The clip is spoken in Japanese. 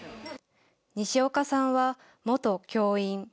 西岡さんは元教員。